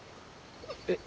えっ？